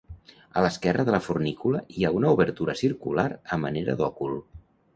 A l'esquerra de la fornícula hi ha una obertura circular a manera d'òcul.